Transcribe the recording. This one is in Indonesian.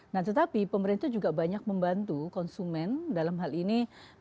nah tetapi pemerintah juga banyak membantu konsumen dalam hal ini